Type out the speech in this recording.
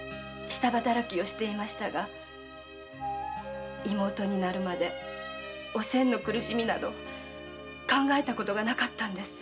下働きをしていましたが妹になるまではおせんの苦しみなど考えたことがなかったのです。